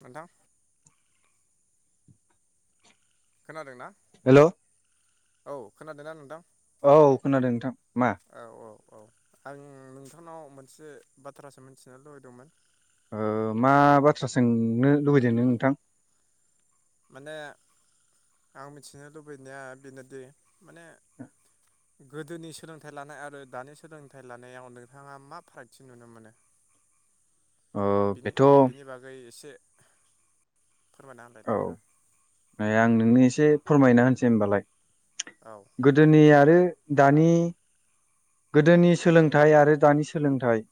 नोंथां। खोनादों ना? हेलौ औ खोनादोंना नोंथां? औ खोनादों नोंथां मा? औ औ औ आं नोंथांनाव मोनसे बाथ्रासो मोनथिनो लुबैदोंमोन। ओ मा बाथ्रा सोंनो लुबैदों नों नोंथां? माने आं मिथिनो लुबैनाया बेनोदि माने गोदोनि सोलोंथाइ लानाय आरो दानि सोलोंथाइ लानायाव नोंथाङा मा फारागथि नुनो मोनो? ओ बिनि बेथ' औ बिनि बागै एसे फोरमायना होनलाय नोंथां? आं नोंनो एसे फोरमायना होनसै होमबालाय। औ गोदोनि आरो दानि गोदोनि सोलोंथाइ आरो दानि सोलोंथाइ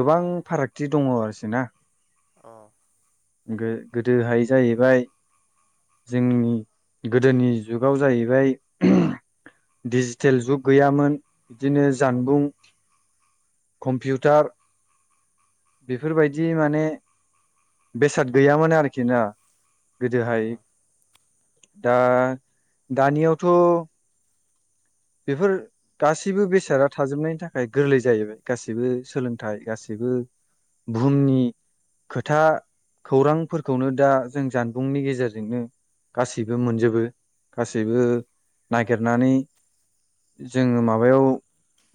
गोबां फारागथि दङ आरोसि ना। अ। गो-गोदोहाय जाहैबाय जोंनि गोदोनि जुगाव जाहैबाय डिजिटेल जुग गैयामोन। बिदिनो जानबुं कम्पिउटार बेफोरबायदि माने बेसाद गैयामोन आरखि ना। अ गोदोहाय दा दानियावथ' बेफोर गासैबो बेसादा थाजोबनायनि थाखाय गोरलै जाहैबाय गासैबो सोलोंथाइ गासैबो बुहुमनि खोथा खौरांफोरखौनो दा जों जानबुंनि गेजेरजोंनो गासैबो मोनजोबो गासैबो नागिरनानै जोङो माबायाव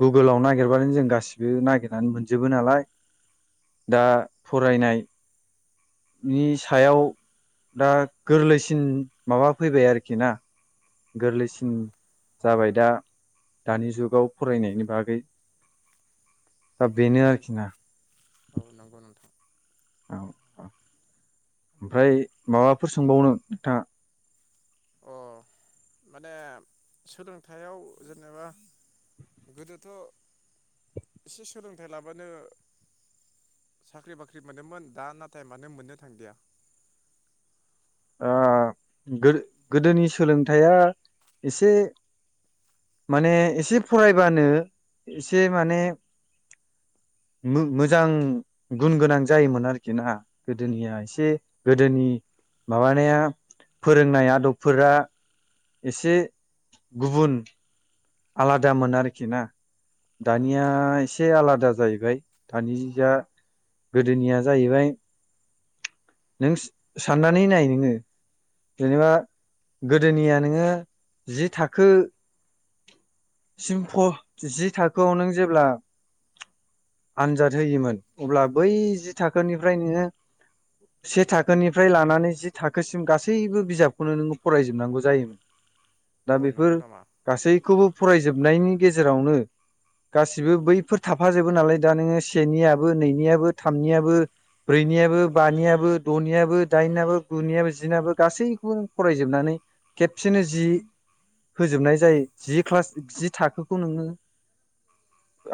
गुगोलाव नागिरबानो जों गासिबो नागिरनानै मोनजोबो नालाय दा फरायनायनि सायाव दा गोरलैसिन माबा फैबाय आरखि ना? गोरलैसिन जाबाय दा दानि जुगाव फरायनायनि बागै। दा बेनो आरखि ना। औ नंगौ नोंथां। औ औ ओमफ्राय माबाफोर सोंबावनो नोंथाङा? अ माने सोलोंथायाइयाव जेनेबा गोदोथ' एसे सोलोंथाइ लाबानो साख्रि बाख्रि मोनोमोन दा नाथाय मानो मोननो थांदिया? ओ गो-गोदोनि सोलोंथाइया एसे माने एसे फरायबानो एसे माने मो-मोजां गुन गोनां जायोमोन आरखि ना? गोदोनिया एसे गोदोनि माबानाया फोरोंनाय आदबफोरा एसे गुबुन आलादामोन आरखि ना। अ दानिया एसे आलादा जाहैबाय दानि जा गोदोनिया जाहैबाय नों साननानै नाय नोङो जेनेबा गोदोनिया नोङो जि थाखो सिम फ जि थाखोआव नों जेब्ला आनजाद होयोमोन अब्ला बै जि थाखोनिफ्राय नोङो से थाखोनिफ्राय लानानै जि थाखोसिम गासैबो बिजाबखौनो नोङो फरायजोबनांगौ जायोमोन। दा अ बेफोर नंगौ नामा? गासैखौबो फरायजोबनायनि गेजेरावनो गासिबो बैफोर थाफाजोबो नालाय दा नोङो सेनियाबो नैनियाबो थामनियाबो ब्रैनियाबो बानियाबो द'नियाबो दाइनाबो गुनियाबो जिनाबो गासैखौबो नों फरायजोबनानै खेबसेनो जि होजोबनाय जाय जि क्लास जि थाखोखौ नोङो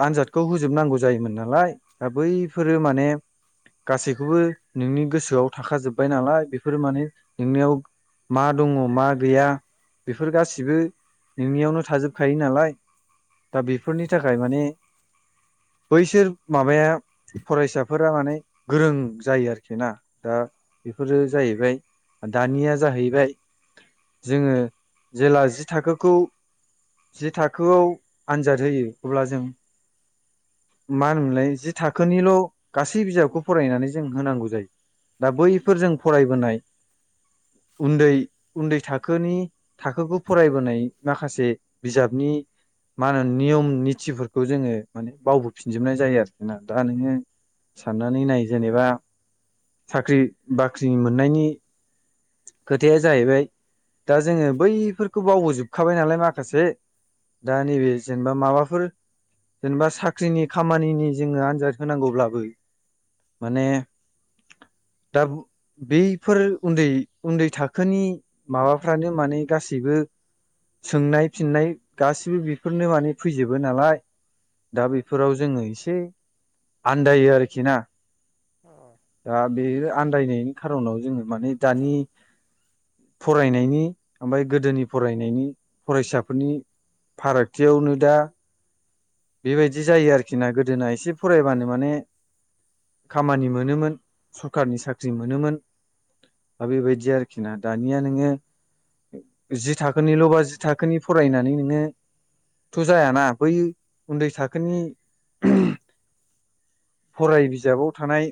आनजादखौ होजोबनांगौ जायोमोन नालाय दा बैफोरो माने गासैखौबो नोंनि गोसोआव थाखाजोब्बाय नालाय बेफोरो माने नोंनियाव मा दङ' मा गैया बेफोर गासिबो नोंनियावनो थाजोबखायो नालाय दा बेफोरनि थाखाय माने बैसोर माबाया फरायसाफोरा माने गोरों जायो आरखि ना दा बेफोरो जाहैबाय दानिया जाहैबाय जोङो जेला जि थाखोखौ जि थाखोआव आनजाद होयो अब्ला जों मा होनोमोनलाय जि थाखोनिल' गासै बिजाबखौ फरायनानै जों होनांगौ जायो दा बैफोर औ जों फरायबोनाय उन्दै उन्दै थाखोनि थाखोखौ फरायबोनाय माखासे बिजाबनि मा होनो नियम नितिफोरखौ जोङो माने बावबोफिनजोबनाय जायो आरखि ना। दा नोङो साननानै नाय जेनेबा साख्रि बाख्रि मोननायनि खोथाया जाहैबाय दा जोङो बैफोरखौ बावबोजोबखाबाय नालाय माखासे दा नैबे जेनेबा माबाफोर जेनेबा साख्रिनि खामानिनि जोङो आनजाद होनांगौब्लाबो माने दा बैफोर उन्दै उन्दै थाखोनि माबाफ्रानो माने गासैबो सोंनाय फिननाय गासैबो बेफोरनो माने फैजोबो नालाय दा बेफोराव जोङो एसे आन्दायो आरखि ना। औ दा बेयो आन्दायनायनि खार'नाव जोङो माने दानि फरायनायनि ओमफाय गोदोनि फरायनायनि फरायसाफोरनि फारागथियावनो दा बेबायदि जायो आरोखि ना गोदोना एसे फरायबानो माने खामानि मोनोमोन सरखारनि साख्रि मोनोमोन दा बेबायदि आरोखिना। दानिया नोङो जि थाखोनिल' बा जि थाखोनि फरायनानै नोङोथ' जायाना बै उन्दै थाखोनि फराय बिजाबाव थानाय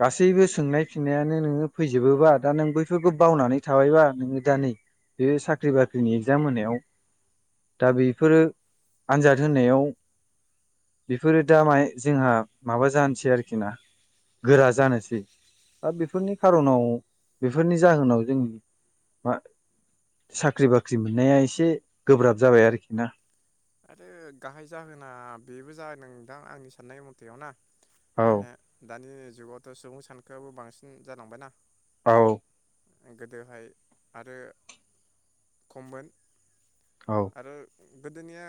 गासैबो सोंनाय फिन्नायानो नोङो फैजोबोबा दा नों बैफोरखौ बावनानै थाबायबा नोङो दा नै बे साख्रि बाख्रिनि एग्जाम होनायाव दा बेफोरो आनजाद होनायाव बेफोरो दा मा जोंहा माबा जानोसै आरोखि ना। गोरा जानोसै। दा बेफो बेफोरनि खार'नाव बेफोरनि जाहोनाव जोंनि मा साख्रि बाख्रि मोननाया एसे गोब्राब जाबाय आरोखि ना। आरो गाहाय जाहोना बेबो जागोन दा़ नोंथां आंनि साननाय मथेयाव ना। औ माने दानि जुगावथ' सुबुं सानखोआबो बांसिन जालांबायना औ। गोदोहाय आरो खममोन। औ आरो गोदोनिया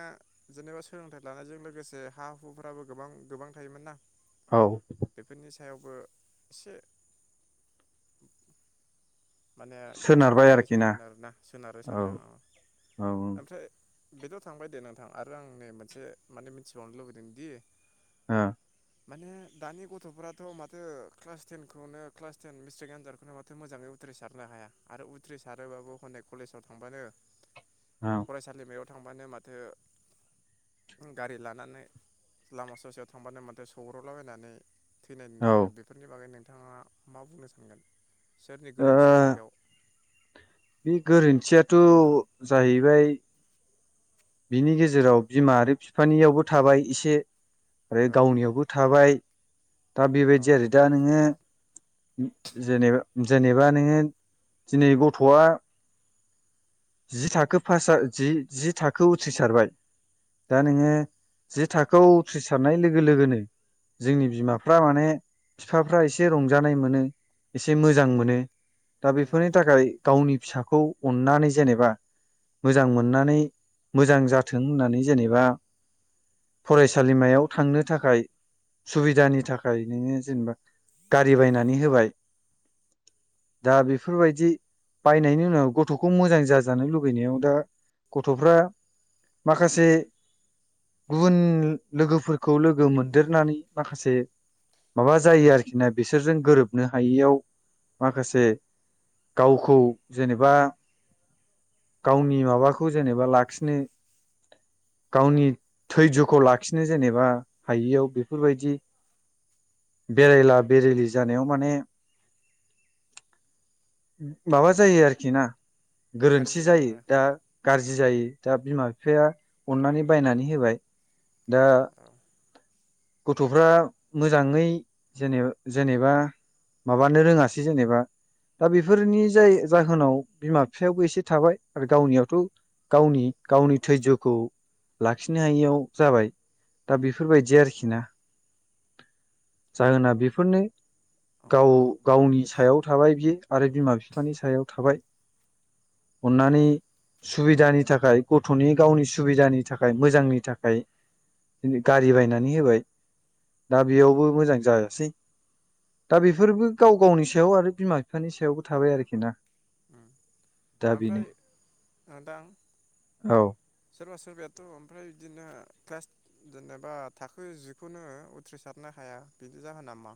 जेनेबा सोलोंथाइ लानायजों लोगोसे हा हुफोराबो गोबां गोबां थायोमोन ना। औ बेफोरनि सायावबो एसे माने बिदिबो सोनारबाय जायो आरोखि ना सानोमोन आरोना सोनारो सानदों औ आङो औ ओमफ्राय बेथ' थांबाय दे नोंथां आरो आं नै मोनसे माने मिथिबावनो लुबैदों दि ओ माने दानि गथ'फोराथ' माथो क्लास टेनखौनो क्लास टेन मेट्रिक आनजादखौनो माथो मोजाङै उथ्रिसारनो हाया आरो उथ्रिसारोबाबो हनै कलेजाव थांबानो औ फरायसालिमायाव थांबानो माथो गारि लानानै लामा ससेयाव थांबानो माथो सौग्रावलाबायनानै थैनाय नुनो मोनो ओ बेफोरनि बागै नों थाङा मा बुंनो सानगोन। सोरनि गोरोन्थि? थि दं बेयाव। बे गोरोन्थियाथ' जाहैबाय बिनि गेजेराव बिमा आरो बिफानियावबो थाबाय एसे आरो औ गावनियावबो थाबाय दा औ बेबायदि आरो दा नोङो जेनेबा जेनेबा नोङो दिनै गथ'आ जि थाखो पास जा जि थाखोखौ उथ्रिसारबाय दा औ नोङो जि थाखोआव उथ्रिसारनाय लोगो लोगोनो जोंनि बिमाफ्रा माने बिफाफ्रा एसे रंजानाय मोनो एसे मोजां मोनो। दा उम बेफोरनि थाखाय गावनि फिसाखौ अननानै जेनेबा मोजां मोननानै मोजां जाथों होननानै जेनेबा फरायसालिमायाव थांनो थाखाय सुबिदानि थाखाय नोङो जेनेबा गारि बायनानै होबाय दा बेफोरबायदि बायनायनि उनाव गथ'खौ मोजां जाजानो लुुबैनायाव दा गथ'फ्रा माखासे गुबुन लोगोफोरखौ लोगो मोनदेरनानै माखासे माबा जायो आरोखि ना बिसोरजों गोरोबनो हायियाव माखासे गावखौ जेनेबा गावनि माबाखौ जेनेबा लाखिनो गावनि धैजखौ लाखिनो जेनेबा हायियाव बेफोरबायदि बेरायला बेरायलि जानायाव माने माबा जायो आरोखि ना गोरोन्थि गाज्रि जायो जालाङो औ दा गाज्रि जायो। दा बिमा बिफाया अननानै बायनानै होबाय। दा गथफ्रा मोजाङै जेने जेनेबा माबानो रोङासै जेनेबा दा बेफोरनि जाय जाहोनाव बिमा बिफायावबो एसे थाबाय आरो गावनियावथ गावनि गावनि थैज्यखौ लाखिनो हायियाव जाबाय दा बेफोरबायदि आरोखि ना जाहोना बेफोरनो। औ गाव गावनि सायाव थाबाय बियो आरो बिमा बिफानि सायाव थाबाय। अननानै ओमफ्राय सुबिदानि नि थाखाय गथनि गावनि सुबिदानि थाखाय मोजांनि थाखाय गारि बायनानै होबाय दा बेयावबो मोजां जायासै दा बेफोरबो गाव गावनि सायाव आरो बिमा बिफानि सायावबो थाबाय आरोखि ना। ओ दा बेनो ओमफ्राय ओ दा औ सोरबा सोरबायाथ ओमफ्राय बिदिनो क्लास जेनेबा थाखो जिखौनो उथ्रिसारनो हाया बिनि जाहोना नामा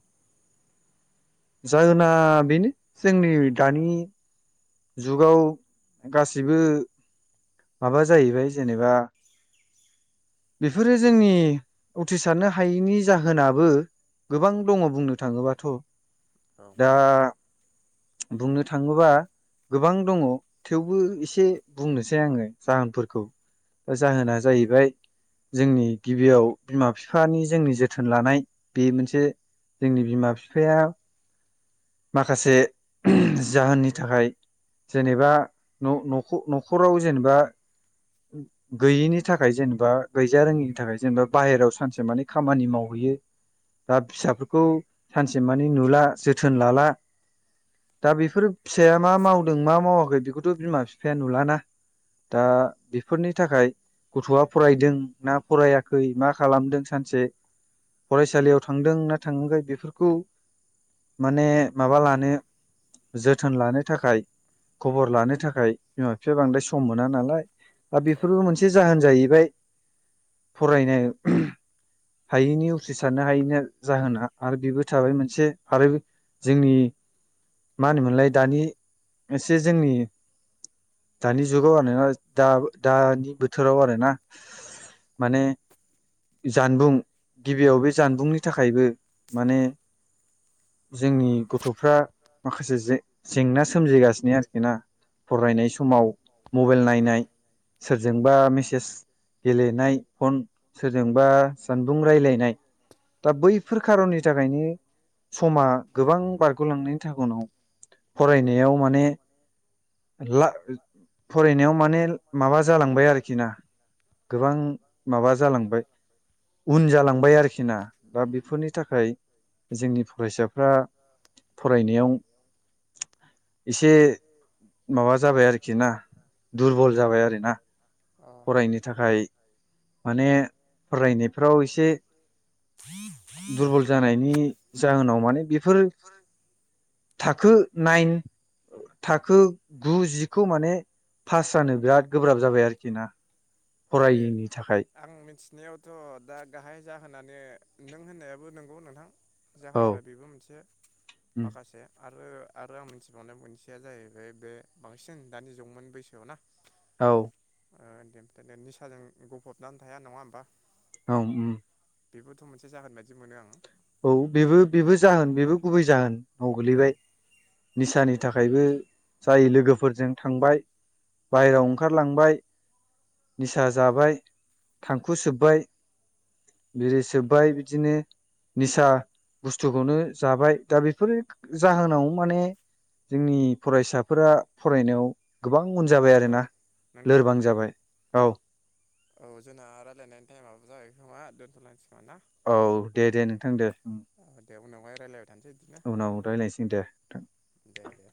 जाहोना बेनो जोंनि दानि जुगाव गासिबो माबा जाहैबाय जेनेबा बेफोरो जोंनि उथ्रिसारनो हायैनि जाहोनाबो गोबां दङ बुंनो थाङोबाथ' उम दा बुंनो थाङोबा गोबां दङ थेवबो एसे बुंनोसै आङो जाहोनफोरखौ जाहोना जाहैबाय जोंनि गिबियाव बिमा फिफानि जोंनि जोथोन लानाय बे मोनसे जोंनि बिमा फिफाया माखासे [unintelligible] जाहोननि थाखाय जेनेबा न' न'ख नख'राव जेनेबा गैयिनि थाखाय जेनेबा गैजा रोङिनि थाखाय जेनेबा बाहेरायाव सानसे मानि खामानि मावहैयो दा फिसाफोरखौ सानसे मानि नुला जोथो थोन लाला दा बेफोर फिसाया मा मावदों मा मावाखै बेखौथ' बिमा फिफाया नुलाना दा बेफोरनि थाखाय गथ'आ फरायदों ना फरायाखै मा खालामदों सानसे फरायसालियाव थांदों ना थाङाखै बेफोरखौ माने माबा लानो जोथोन लानो थाखाय खबर लानो थाखाय बिमा बिफाया बांद्राय सम मोना नालाय दा औ बेफोरबो मोनसे जाहोन जायो फरायनाय हायैनि उथ्रिसारनो हायैनि जाहोना आरो बेबो थाबाय मोनसे आरो जोंनि मा होनोमोनलाय दानि एसे जोंनि दानि जुगाव आरोना दा दानि बोथोराव आरोना माने जानबुं गिबियाव बे जानबुंनि थाखायबो माने जोंनि गथ'फ्रा माखासे जें जेंना सोमजिगासि आरोखि ना औ फरायनाय समाव मबाइल नायनाय सोर जोंबा मेसेज गेलेनाय फन सोरजोंबा जानबुं रायलायनाय दा बैफोर खारननि थाखायनो समा गोबां बारगलांनायनि थाउनाव फरायनायाव माने ला फरायनायाव माने माबा जालांबाय आरोखि ना गोबां माबा जालांबाय उन जालांबाय आरोखि ना दा बेफोरनि थाखाय जोंनि फरायसाफ्रा फरायनायाव एसे माबा जाबाय आरोखि ना दुरबल जाबाय आरो ना अ फरायनो थाखाय माने फरायनायफ्राव एसे दुरबल जानायनि जाहोनाव माने बेफोर [unintelligible] थाखो नाइन थाखो गु जिखौ माने पास जानो बिराद गोब्राब जाबाय आरोखि ना आरो फरायैनि थाखाय आं मिथिनायावथ' दा गाहाइ जाहोनानो नों होननायाबो नोंगौ नोंथां औ जाहोनफोरा बेबो मोनसे माखासे आरो आरो आं मिथिबावनाय मोनसेया जाहैबाय बे बांसिन दानि जंमोन बैसोआव ना औ ओ दे बि निसाजों गफबनानै थाया नङा होमबा औ उम बेबोथ' मोनसे जागोन बादि मोनो आङो औ बेबो बेबो जाहोन बेबो गुबै जाहोन औ गोलैबाय निसानि थाखायबो जाय लोगोफोरजों थांबाय बायेरायाव ओंखारलांबाय निसा औ जाबाय थांखु सोब्बाय, बिरिसोब्बाय बिदिनो निसा बुस्थुखौनो जाबाय दा बेफोर जाहोनाव माने जोंनि फरायसाफोरा फरायनायाव गोबां बां उन जाबाय औ आरोना नोंथां लोरबां जाबाय औ। औ जोंना रायजलायनायनि टाइमाबो जागाय खोमा दोन्थ'लायसै। औ दे दे नोंथां दे उम औ दे उनावहाय रायलायबाय थानोसै बिदिनो उनाव रायज्लायनोसै दे नोंथां। दे दे